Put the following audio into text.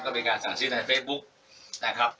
ก็มีการสั่งซื้อในเฟซบุ๊กนะครับ